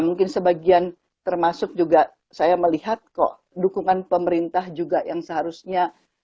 mungkin sebagian termasuk juga saya melihat kok dukungan pemerintah juga yang seharusnya